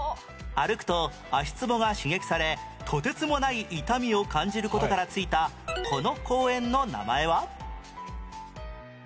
歩くと足つぼが刺激されとてつもない痛みを感じる事から付いたこの公園の名前は？